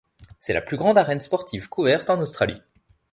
C'est la plus grande arène sportive couverte en Australie.